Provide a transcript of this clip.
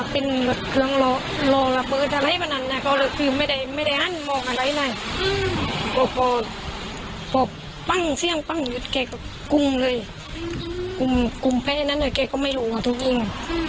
เพื่อนนั้นอ่ะเขาก็ไม่รู้ว่าต้องยิง